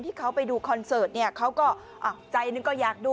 ที่เขาไปดูคอนเสิร์ตเนี่ยเขาก็ใจหนึ่งก็อยากดู